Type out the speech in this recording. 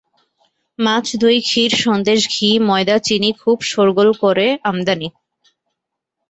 মাছ দই ক্ষীর সন্দেশ ঘি ময়দা চিনি খুব শোরগোল করে আমদানি।